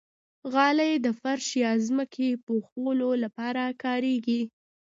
غالۍ د فرش یا ځمکې پوښلو لپاره کارېږي.